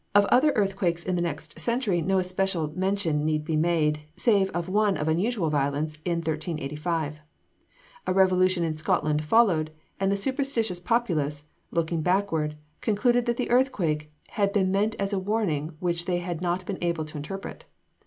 Of other earthquakes in the next century no especial mention need be made, save of one of unusual violence in 1385. A revolution in Scotland followed, and the superstitious populace, looking backward, concluded that the earthquake had been meant as a warning which they had not been able to interpret.